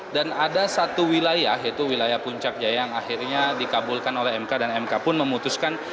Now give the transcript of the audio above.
dan ada satu wilayah yaitu wilayah puncak jaya yang akhirnya dikabulkan oleh mk dan mk pun memutuskan